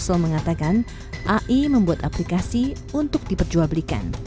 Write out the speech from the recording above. kedua jangan lupa untuk memperbaiki aplikasi yang terkait dengan aplikasi ai